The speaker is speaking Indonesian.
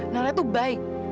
nara itu baik